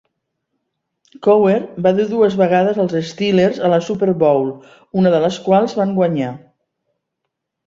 Cowher va dur dues vegades els Steelers a la Super Bowl, una de les quals van guanyar.